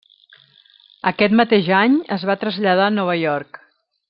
Aquest mateix any es va traslladar a Nova York.